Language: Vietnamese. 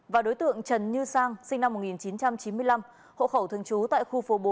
và đối tượng trần như sang sinh năm một nghìn chín trăm chín mươi năm hộ khẩu thường trú tại khu phố bốn